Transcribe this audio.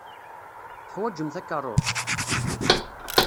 Teḥwajem takeṛṛust?